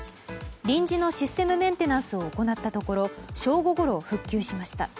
臨時のシステムメンテナンスを行ったところ正午ごろ、復旧しました。